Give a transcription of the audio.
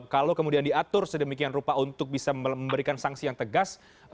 kalau kemudian diatur sedemikian rupa untuk bisa memberikan sanksi yang tegas